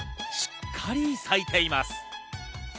しっかり咲いています。